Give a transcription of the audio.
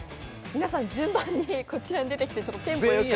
皆さん、順番にこちらに出てきてテンポよく。